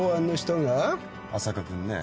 浅香君ねえ。